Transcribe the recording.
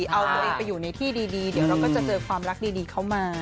เอาตัวเองไปอยู่ในที่ดีเดี๋ยวเราก็จะเจอความรักดีเข้ามา